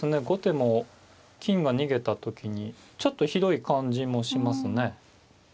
後手も金が逃げた時にちょっと広い感じもしますね。